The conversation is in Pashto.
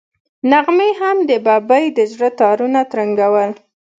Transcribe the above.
نغمې هم د ببۍ د زړه تارونه ترنګول.